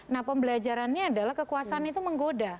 nah pembelajarannya adalah kekuasaan itu menggoda